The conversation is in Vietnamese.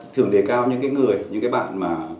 thường đề cao những cái người những cái bạn mà